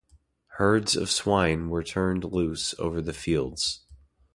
Herds of swine were turned loose over the fields.